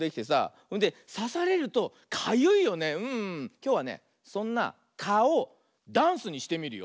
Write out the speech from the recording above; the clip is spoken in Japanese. きょうはねそんなかをダンスにしてみるよ。